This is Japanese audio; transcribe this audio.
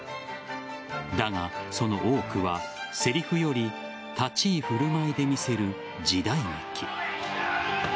だが、その多くはせりふより立ち居振る舞いで魅せる時代劇。